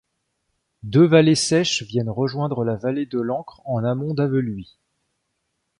Deux vallées sèches viennent rejoindre la vallée de l'Ancre en amont d'Aveluy.